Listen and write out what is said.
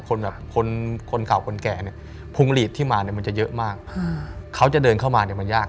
คนแบบคนเก่าคนแก่เนี่ยภูมิหลีดที่มาเนี่ยมันจะเยอะมาก